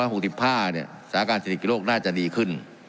สถานการณ์สนิทโรคน่าจะดีขึ้น